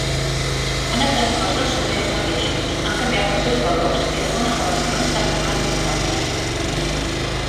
Han après coses sobre ells mateixos, han canviat els seus valors i algunes relacions s'han tornat més fortes.